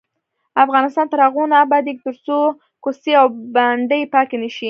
افغانستان تر هغو نه ابادیږي، ترڅو کوڅې او بانډې پاکې نشي.